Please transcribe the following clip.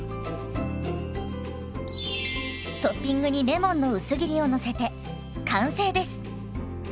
トッピングにレモンの薄切りをのせて完成です。